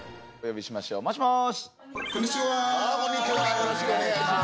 よろしくお願いします。